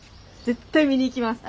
絶対見に行きます。